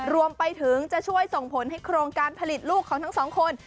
รวมไปถึงจะช่วยส่งผลให้โครงการผลิตลูกของทั้งสองคน